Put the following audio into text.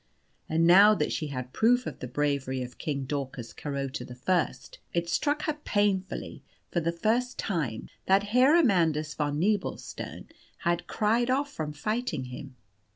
And now that she had proof of the bravery of King Daucus Carota the First, it struck her painfully, for the first time, that Herr Amandus von Nebelstern had cried off from fighting him.